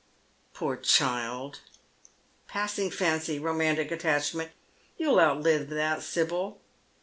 " Poor child ! Passing fancy — romantic attachment. You'll outlive that, Si])yl."